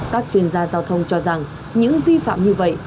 các chuyên gia giao thông cho rằng những vi phạm như vậy